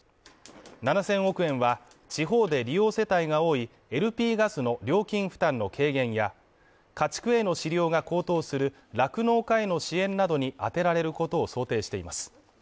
７０００億円は、地方で利用世帯が多いＬＰガスの料金負担の軽減や家畜への飼料が高騰する酪農家への支援などに充てられることを想定しています。